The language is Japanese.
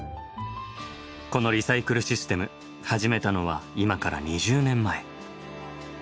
このリサイクルシステム始めたのは今から２０年前。